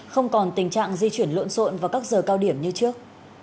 không còn tình trạng di chuyển lộn xộn vào các giờ cao điểm như trước